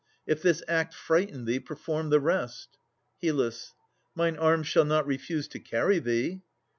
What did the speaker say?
If this act frighten thee, perform the rest. HYL. Mine arms shall not refuse to carry thee.